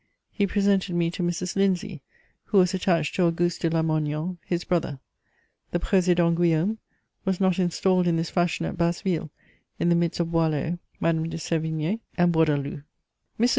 He presented me to Mrs. Lindsay, who was attached to Auguste de Lamoignon, his brother: the Président Guillaume was not installed in this fashion at Basville, in the midst of Boileau, Madame de Sévigné, and Bourdaloue. Mrs.